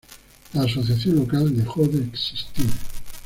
La asociación local dejó de existir.